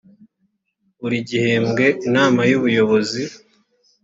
buri gihembwe inama y ubuyobozi